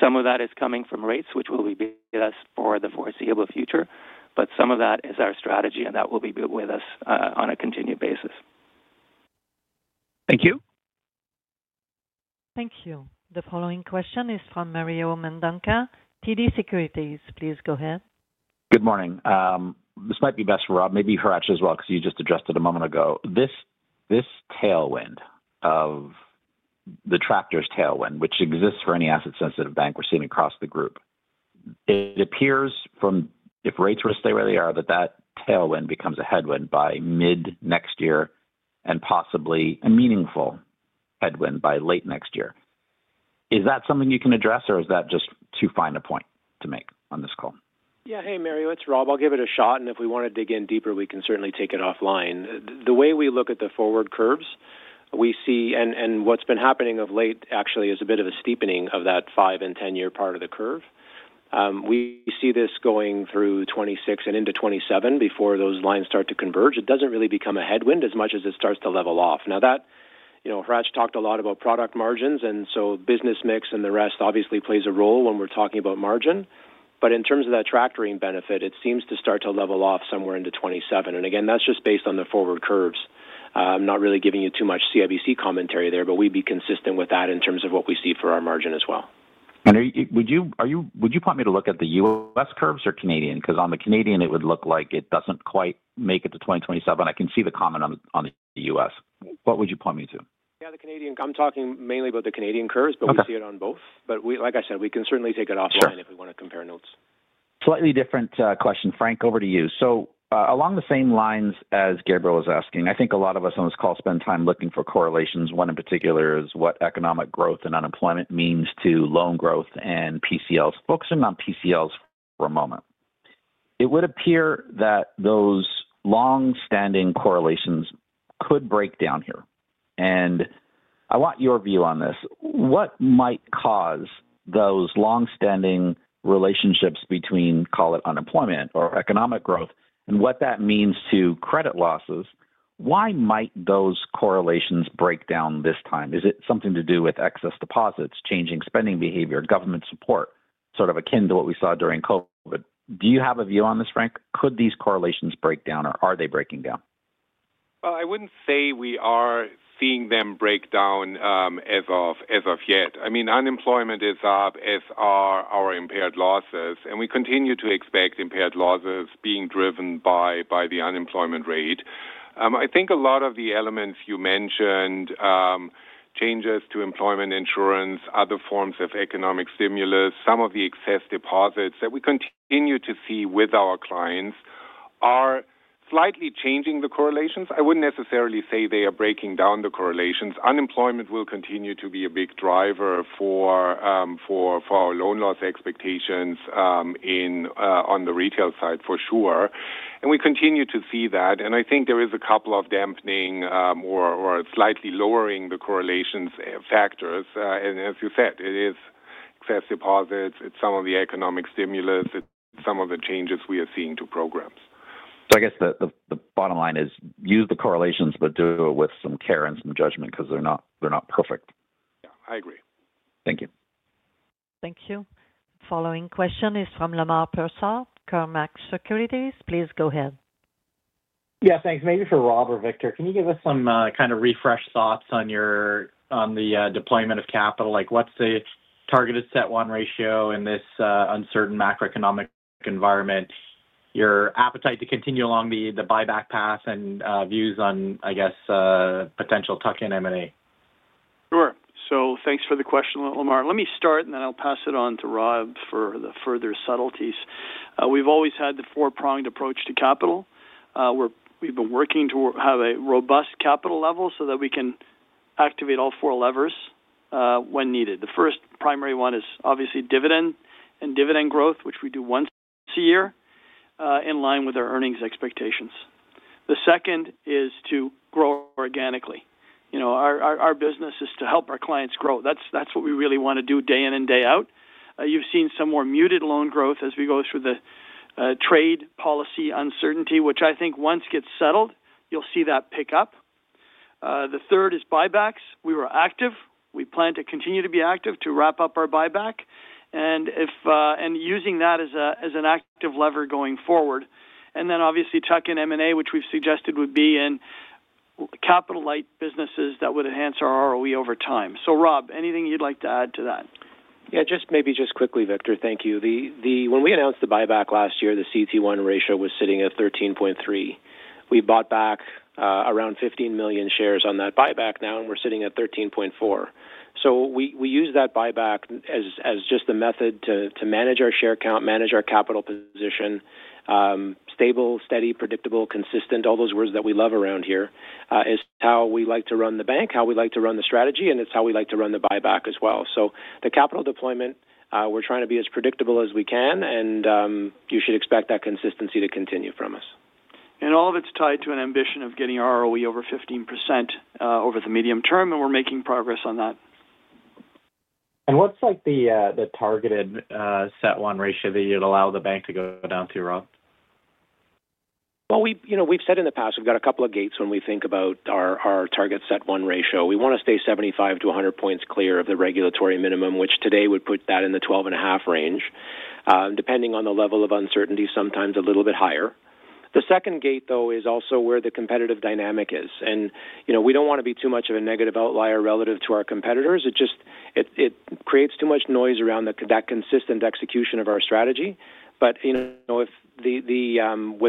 Some of that is coming from rates, which will be with us for the foreseeable future, but some of that is our strategy, and that will be with us on a continued basis. Thank you. Thank you. The following question is from Mario Mendonca, TD Securities. Please go ahead. Good morning. This might be best for Rob, maybe Hratch as well, because you just addressed it a moment ago. This tailwind of the tractor's tailwind, which exists for any asset-sensitive bank we're seeing across the group, it appears from if rates were to stay where they are, that that tailwind becomes a headwind by mid-next year and possibly a meaningful headwind by late next year. Is that something you can address, or is that just too fine a point to make on this call? Yeah. Hey, Mario, it's Rob. I'll give it a shot. If we want to dig in deeper, we can certainly take it offline. The way we look at the forward curves, we see, and what's been happening of late actually, is a bit of a steepening of that five and ten-year part of the curve. We see this going through 2026 and into 2027 before those lines start to converge. It does not really become a headwind as much as it starts to level off. Hratch talked a lot about product margins, and so business mix and the rest obviously plays a role when we are talking about margin. In terms of that tractoring benefit, it seems to start to level off somewhere into 2027. Again, that is just based on the forward curves. I'm not really giving you too much CIBC commentary there, but we'd be consistent with that in terms of what we see for our margin as well. Would you want me to look at the U.S. curves or Canadian? Because on the Canadian, it would look like it does not quite make it to 2027. I can see the comment on the U.S. What would you point me to? Yeah, the Canadian. I'm talking mainly about the Canadian curves, but we see it on both. Like I said, we can certainly take it offline if we want to compare notes. Slightly different question. Frank, over to you. Along the same lines as Gabriel was asking, I think a lot of us on this call spend time looking for correlations. One in particular is what economic growth and unemployment means to loan growth and PCLs. Focusing on PCLs for a moment. It would appear that those long-standing correlations could break down here. I want your view on this. What might cause those long-standing relationships between, call it unemployment or economic growth, and what that means to credit losses? Why might those correlations break down this time? Is it something to do with excess deposits, changing spending behavior, government support, sort of akin to what we saw during COVID? Do you have a view on this, Frank? Could these correlations break down, or are they breaking down? I would not say we are seeing them break down as of yet. I mean, unemployment is up as are our impaired losses. We continue to expect impaired losses being driven by the unemployment rate. I think a lot of the elements you mentioned, changes to employment insurance, other forms of economic stimulus, some of the excess deposits that we continue to see with our clients, are slightly changing the correlations. I would not necessarily say they are breaking down the correlations. Unemployment will continue to be a big driver for our loan loss expectations on the retail side, for sure. We continue to see that. I think there are a couple of dampening or slightly lowering the correlations factors. As you said, it is excess deposits. It is some of the economic stimulus. It is some of the changes we are seeing to programs. I guess the bottom line is use the correlations, but do it with some care and some judgment because they're not perfect. Yeah, I agree. Thank you. Thank you. The following question is from Lemar Persaud, Cormark Securities. Please go ahead. Yeah, thanks. Maybe for Rob or Victor, can you give us some kind of refreshed thoughts on the deployment of capital? What's the targeted CET1 ratio in this uncertain macroeconomic environment? Your appetite to continue along the buyback path and views on, I guess, potential tuck-in M&A? Sure. Thanks for the question, Lemar. Let me start, and then I'll pass it on to Rob for the further subtleties. We've always had the four-pronged approach to capital. We've been working to have a robust capital level so that we can activate all four levers when needed. The first primary one is obviously dividend and dividend growth, which we do once a year in line with our earnings expectations. The second is to grow organically. Our business is to help our clients grow. That's what we really want to do day in and day out. You've seen some more muted loan growth as we go through the trade policy uncertainty, which I think once gets settled, you'll see that pick up. The third is buybacks. We were active. We plan to continue to be active to wrap up our buyback and using that as an active lever going forward. Obviously, tuck-in M&A, which we've suggested would be in capital-light businesses that would enhance our ROE over time. Rob, anything you'd like to add to that? Yeah, just maybe just quickly, Victor, thank you. When we announced the buyback last year, the CET1 ratio was sitting at 13.3%. We bought back around 15 million shares on that buyback now, and we're sitting at 13.4%. We use that buyback as just the method to manage our share count, manage our capital position, stable, steady, predictable, consistent, all those words that we love around here, is how we like to run the bank, how we like to run the strategy, and it's how we like to run the buyback as well. The capital deployment, we're trying to be as predictable as we can, and you should expect that consistency to continue from us. All of it's tied to an ambition of getting our ROE over 15% over the medium term, and we're making progress on that. What's the targeted CET1 ratio that you'd allow the bank to go down to, Rob? We've said in the past, we've got a couple of gates when we think about our target CET1 ratio. We want to stay 75-100 basis points clear of the regulatory minimum, which today would put that in the 12.5% range. Depending on the level of uncertainty, sometimes a little bit higher. The second gate, though, is also where the competitive dynamic is. We do not want to be too much of a negative outlier relative to our competitors. It creates too much noise around that consistent execution of our strategy. With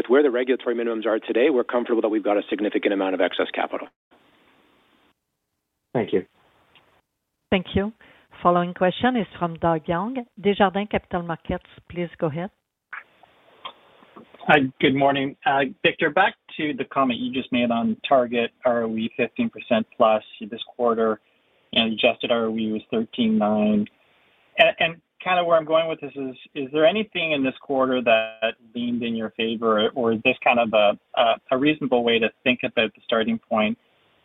where the regulatory minimums are today, we're comfortable that we've got a significant amount of excess capital. Thank you. Thank you. The following question is from Doug Young. Desjardins Capital Markets, please go ahead. Hi, good morning. Victor, back to the comment you just made on target ROE 15%+ this quarter, and adjusted ROE was 13.9%. Kind of where I'm going with this is, is there anything in this quarter that leaned in your favor, or is this kind of a reasonable way to think about the starting point?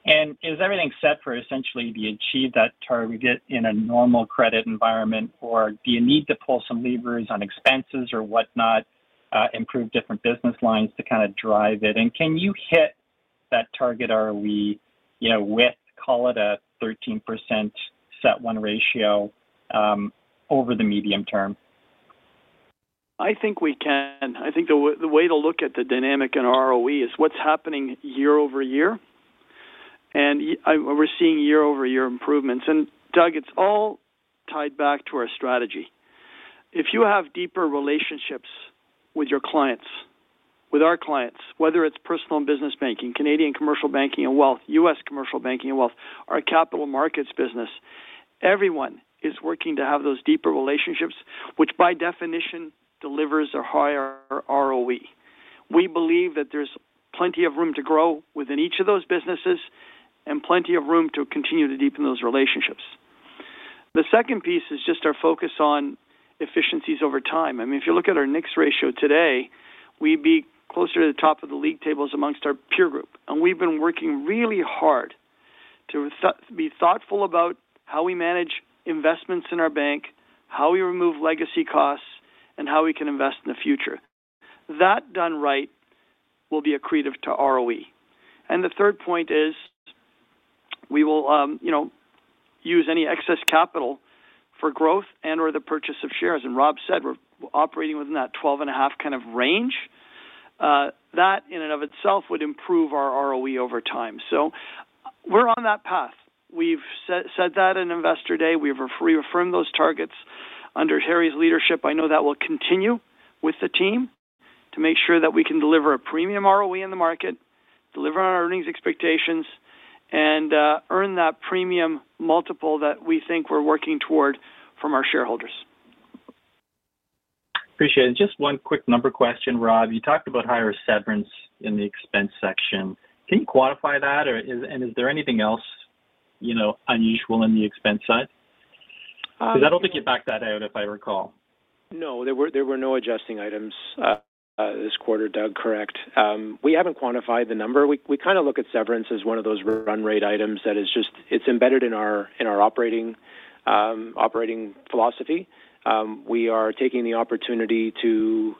Is everything set for essentially the achieve that target in a normal credit environment, or do you need to pull some levers on expenses or whatnot, improve different business lines to kind of drive it? Can you hit that target ROE with, call it a 13% CET1 ratio over the medium term? I think we can. I think the way to look at the dynamic in ROE is what's happening year over year. We're seeing year-over-year improvements. Doug, it's all tied back to our strategy. If you have deeper relationships with your clients, with our clients, whether it's personal and business banking, Canadian commercial banking and wealth, US commercial banking and wealth, our capital markets business, everyone is working to have those deeper relationships, which by definition delivers a higher ROE. We believe that there's plenty of room to grow within each of those businesses and plenty of room to continue to deepen those relationships. The second piece is just our focus on efficiencies over time. I mean, if you look at our NIX ratio today, we'd be closer to the top of the league tables amongst our peer group. We have been working really hard to be thoughtful about how we manage investments in our bank, how we remove legacy costs, and how we can invest in the future. That done right will be accretive to ROE. The third point is we will use any excess capital for growth and/or the purchase of shares. Rob said we are operating within that 12.5 kind of range. That in and of itself would improve our ROE over time. We are on that path. We said that on investor day. We have reaffirmed those targets under Harry's leadership. I know that will continue with the team to make sure that we can deliver a premium ROE in the market, deliver on our earnings expectations, and earn that premium multiple that we think we are working toward from our shareholders. Appreciate it. Just one quick number question, Rob. You talked about higher severance in the expense section. Can you quantify that? Is there anything else unusual on the expense side? Because I do not think you backed that out, if I recall. No, there were no adjusting items this quarter, Doug, correct. We have not quantified the number. We kind of look at severance as one of those run rate items that is just, it is embedded in our operating philosophy. We are taking the opportunity to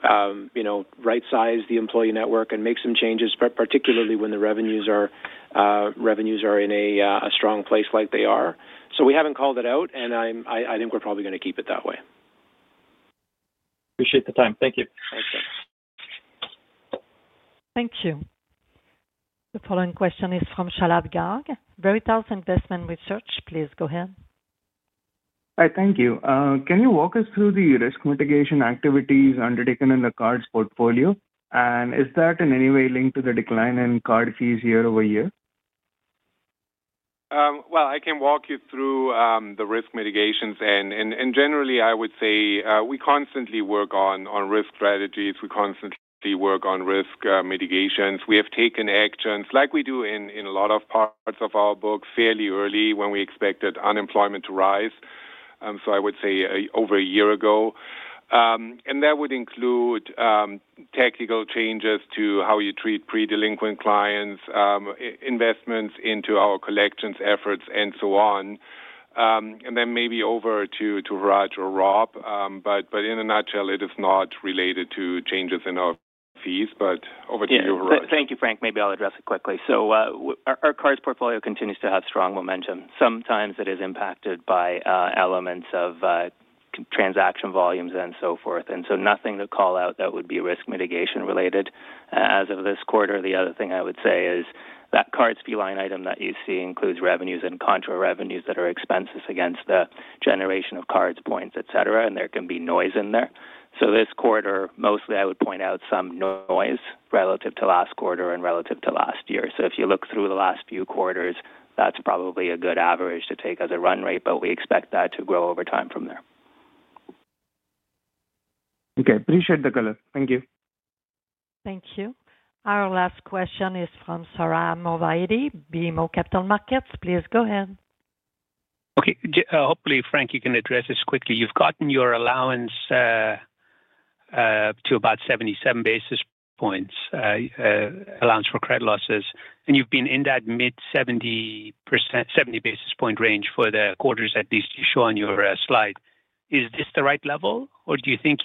right-size the employee network and make some changes, particularly when the revenues are in a strong place like they are. We have not called it out, and I think we are probably going to keep it that way. Appreciate the time. Thank you. Thanks, Doug. Thank you. The following question is from Shalabh Garg. Veritas Investment Research, please go ahead. Hi, thank you. Can you walk us through the risk mitigation activities undertaken in the cards portfolio? Is that in any way linked to the decline in card fees year over year? I can walk you through the risk mitigations. Generally, I would say we constantly work on risk strategies. We constantly work on risk mitigations. We have taken actions, like we do in a lot of parts of our book, fairly early when we expected unemployment to rise. I would say over a year ago. That would include technical changes to how you treat pre-delinquent clients, investments into our collections efforts, and so on. Maybe over to Hratch or Rob. In a nutshell, it is not related to changes in our fees, but over to you, Hratch. Thank you, Frank. Maybe I'll address it quickly. Our cards portfolio continues to have strong momentum. Sometimes it is impacted by elements of transaction volumes and so forth. Nothing to call out that would be risk mitigation related as of this quarter. The other thing I would say is that cards fee line item that you see includes revenues and contra revenues that are expenses against the generation of cards points, etc. There can be noise in there. This quarter, mostly I would point out some noise relative to last quarter and relative to last year. If you look through the last few quarters, that's probably a good average to take as a run rate, but we expect that to grow over time from there. Okay, appreciate the color. Thank you. Thank you. Our last question is from Sohrab Movahedi, BMO Capital Markets. Please go ahead. Okay. Hopefully, Frank, you can address this quickly. You've gotten your allowance to about 77 basis points allowance for credit losses. And you've been in that mid-70 basis point range for the quarters at least you show on your slide. Is this the right level, or do you think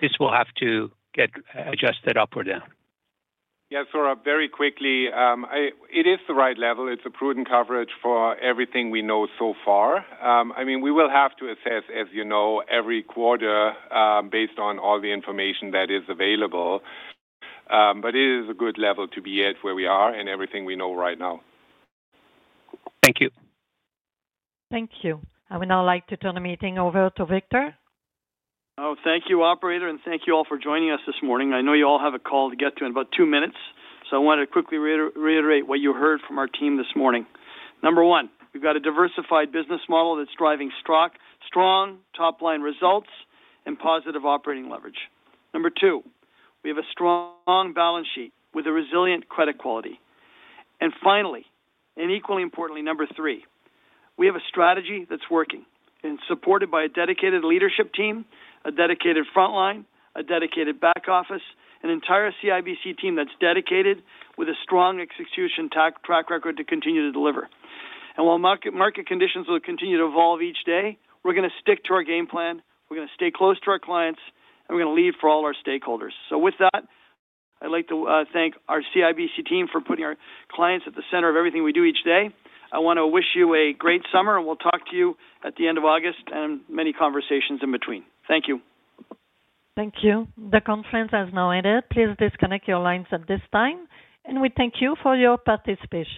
this will have to get adjusted up or down? Yeah, Sohrab, very quickly, it is the right level. It's a prudent coverage for everything we know so far. I mean, we will have to assess, as you know, every quarter based on all the information that is available. It is a good level to be at where we are and everything we know right now. Thank you. Thank you. I would now like to turn the meeting over to Victor. Oh, thank you, operator, and thank you all for joining us this morning. I know you all have a call to get to in about two minutes. I wanted to quickly reiterate what you heard from our team this morning. Number one, we've got a diversified business model that's driving strong top-line results and positive operating leverage. Number two, we have a strong balance sheet with a resilient credit quality. Finally, and equally importantly, number three, we have a strategy that's working and supported by a dedicated leadership team, a dedicated frontline, a dedicated back office, an entire CIBC team that's dedicated with a strong execution track record to continue to deliver. While market conditions will continue to evolve each day, we're going to stick to our game plan. We're going to stay close to our clients, and we're going to lead for all our stakeholders. With that, I'd like to thank our CIBC team for putting our clients at the center of everything we do each day. I want to wish you a great summer, and we'll talk to you at the end of August and many conversations in between. Thank you. Thank you. The conference has now ended. Please disconnect your lines at this time. We thank you for your participation.